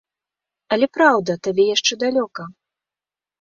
Але, праўда, табе яшчэ далёка.